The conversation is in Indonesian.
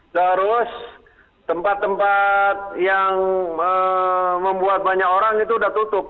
terus tempat tempat yang membuat banyak orang itu sudah tutup